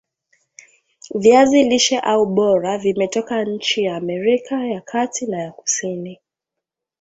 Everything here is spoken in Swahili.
viazi lishe au bora vimetoka nchi ya Amerika ya Kati na ya Kusini